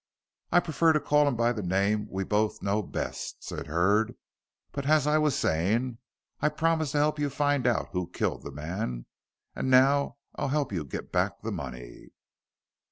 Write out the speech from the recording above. "I prefer to call him by the name we both know best," said Hurd, "but as I was saying, I promised to help you to find out who killed the man; now I'll help you to get back the money."